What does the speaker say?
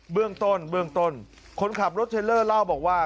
เบื้องต้นเบื้องต้นคนขับรถเทลเลอร์เล่าบอกว่า